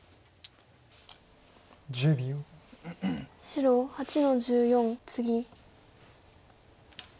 白８の十四ツギ。